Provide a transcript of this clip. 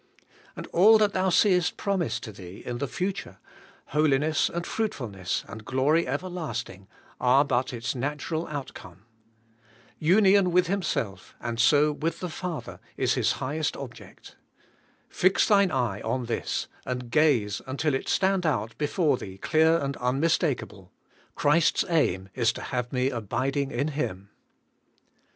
And all that thou seest prom ised to thee in the future — holiness and fruitfulness and glory everlasting— are but its natural outcome. Union toith Himself , and so with the Father, is His highest object. Fix thine eye on this, and gaze until it stand out before thee clear and unmistakable: Christ's aim is to have me abiding in Him.